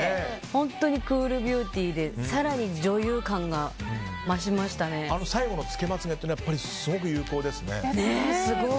本当にクールビューティーで更に女優感が最後のつけまつ毛はすごく有効ですね。